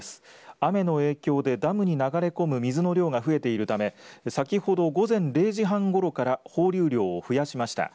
雨の影響でダムに流れ込む水の量が増えているため先ほど、午前０時半ごろから放流量を増やしました。